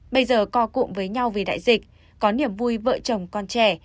bây giờ co cụm với nhau vì đại dịch có niềm vui vợ chồng con trẻ